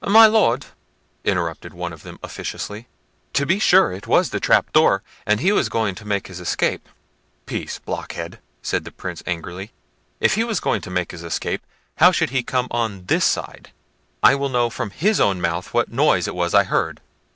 "My Lord," interrupted one of them officiously, "to be sure it was the trap door, and he was going to make his escape." "Peace, blockhead!" said the Prince angrily; "if he was going to escape, how should he come on this side? I will know from his own mouth what noise it was I heard.